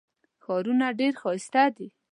ښارونه ډېر ښایسته دي.